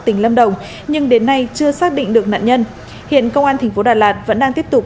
tỉnh lâm đồng nhưng đến nay chưa xác định được nạn nhân hiện công an thành phố đà lạt vẫn đang tiếp tục